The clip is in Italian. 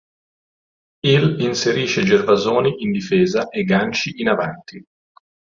Il inserisce Gervasoni in difesa e Ganci in avanti.